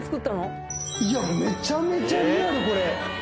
いやめちゃめちゃリアルこれ。